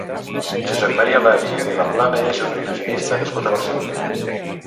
Josep Maria Lari i Vilaplana és un il·lusionista nascut a Barcelona.